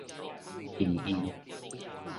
避孕